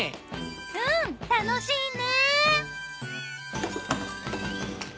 うん楽しいね。